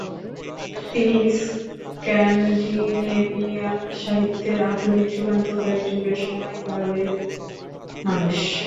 তিনি স্ক্যান্ডিনেভিয়ান সাহিত্যের আধুনিক যুগান্তকারী যুগের সময়কালের মানুষ।